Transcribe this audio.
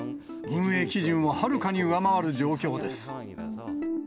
運営基準をはるかに上回る状況です。